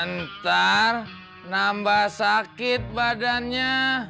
ntar nambah sakit badannya